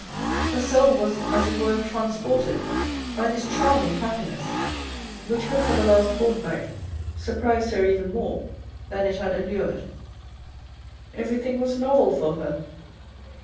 Her soul was as it were transported by this charming happiness which had for the last fortnight surprised her even more than it had allured. Everything was novel for her.